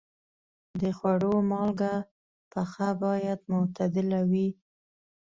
د خوړو مالګه پخه باید معتدله وي.